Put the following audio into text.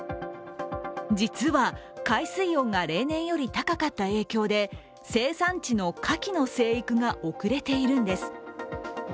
実は、海水温が例年より高かった影響で生産地のかきの生育が遅れているんです。